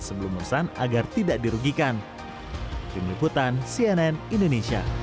sebelum urusan agar tidak dirugikan